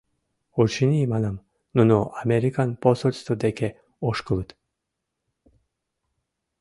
Очыни, — манам, — нуно американ посольство деке ошкылыт.